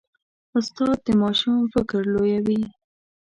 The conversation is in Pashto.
استاد د ماشوم فکر لویوي.